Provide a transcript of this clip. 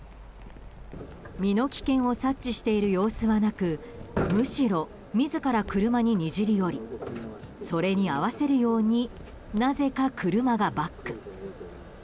身の危険を察知している様子はなくむしろ、自ら車ににじり寄りそれに合わせるようになぜか車がバック。